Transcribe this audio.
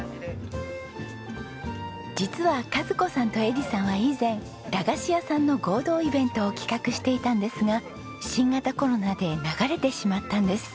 実は和子さんと恵利さんは以前駄菓子屋さんの合同イベントを企画していたんですが新型コロナで流れてしまったんです。